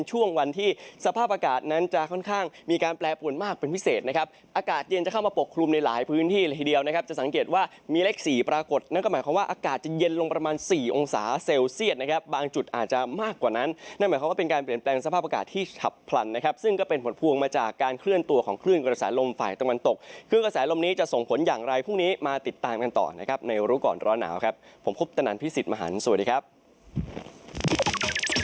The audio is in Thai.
ช่วงวันที่สภาพอากาศนั้นจะค่อนข้างมีการแปลผลมากเป็นพิเศษนะครับอากาศเย็นจะเข้ามาปกครุมในหลายพื้นที่หลายทีเดียวนะครับจะสังเกตว่ามีเลขสี่ปรากฏนั่นก็หมายความว่าอากาศจะเย็นลงประมาณสี่องศาเซลเซียสนะครับบางจุดอาจจะมากกว่านั้นนั่นหมายความว่าเป็นการเปลี่ยนแปลงสภาพอากาศที่ชับพ